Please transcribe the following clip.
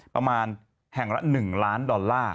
ประมาณแห่งละ๑ล้านดอลลาร์